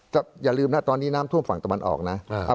ก็อย่าลืมนะตอนนี้น้ำท่วมฝั่งตะวันออกนะ